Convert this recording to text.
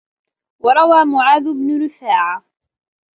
وَرَوَى مُعَاذُ بْنُ رِفَاعَةَ